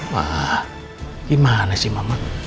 wah gimana sih mama